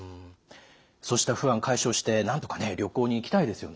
そうした不安解消してなんとか旅行に行きたいですよね。